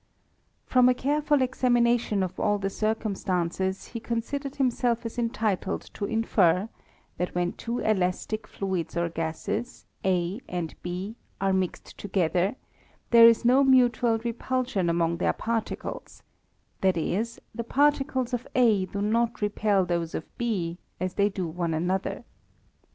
From a careful examination of all the circum stances, he considered himself as entitled to infer, that when two elastic fluids or gases, A and B, are mixed together, there is no mutual repulsion among their particles ; that is, the particles of A do not repel those of B, as they do one another.